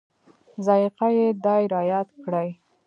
ذایقه یې دای رایاد کړي.